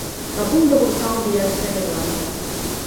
A punt d'avortar un viatge a Irlanda.